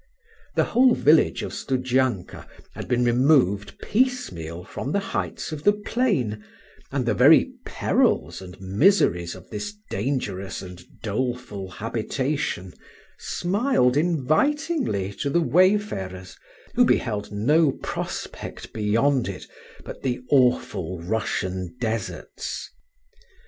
The whole village of Studzianka had been removed piecemeal from the heights of the plain, and the very perils and miseries of this dangerous and doleful habitation smiled invitingly to the wayfarers, who beheld no prospect beyond it but the awful Russian deserts.